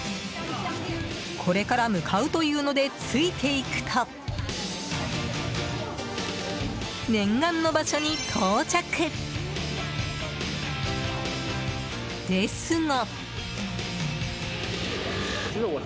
これから向かうと言うのでついて行くと念願の場所に到着！ですが。